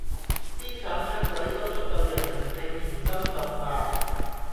思想出軌都足夠讓人怦然心動吧！